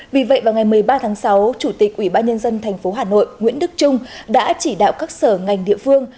vì vậy vào ngày một mươi ba tháng sáu chủ tịch ủy ban nhân dân tp hà nội nguyễn đức trung đã chỉ đạo các sở ngành địa phương